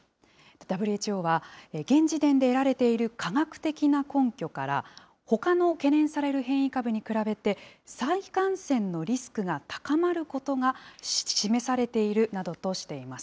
ＷＨＯは、現時点で得られている科学的な根拠から、ほかの懸念される変異株に比べて、再感染のリスクが高まることが示されているなどとしています。